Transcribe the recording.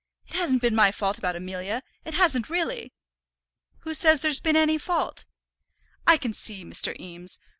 It hasn't been my fault about Amelia. It hasn't really." "Who says there's been any fault?" "I can see, Mr. Eames.